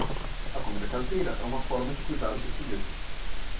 A comida caseira é uma forma de cuidar de si mesmo.